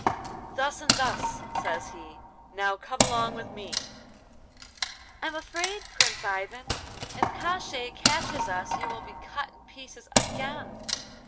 'Thus and thus,' says he. 'Now come along with me.' 'I am afraid, Prince Ivan! If Koshchei catches us you will be cut in pieces again.